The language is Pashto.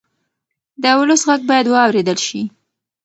د ولس غږ باید واورېدل شي